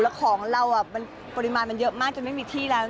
แล้วของเราปริมาณมันเยอะมากจนไม่มีที่แล้ว